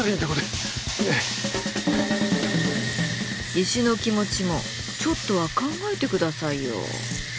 石の気持ちもちょっとは考えてくださいよ。